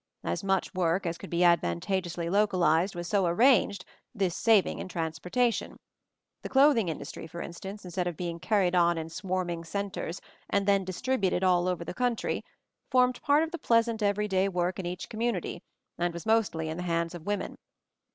As much work as could be advantageously lo calized was so arranged, this saving in trans portation. The clothing industry, for in stance, instead of being carried on in swarm ing centers, and then distributed all over the MOVING THE MOUNTAIN 269 country, formed part of the pleasant every day work in each community and was mostly in the hands of women.